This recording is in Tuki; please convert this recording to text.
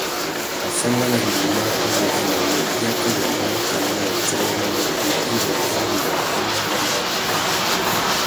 Afánganangüima a wú udjanamú, i yakanamú makana matiō mà mù tumba indi wa tirimiya wabêbêrê nà marru matê.